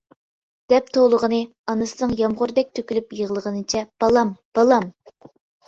» دەپ توۋلىغىنى، ئانىسىنىڭ يامغۇردەك تۆكۈلۈپ يىغلىغىنىچە «بالام، بالام!